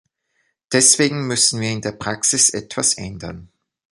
Deswegen müssen wir in der Praxis etwas ändern.